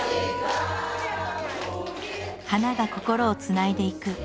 「花が心をつないでいく」。